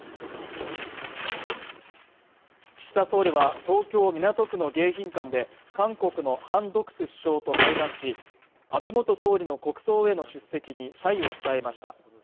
岸田総理は東京港区の迎賓館で韓国のハン・ドクス首相と会談し安倍元総理の国葬への出席に謝意を伝えました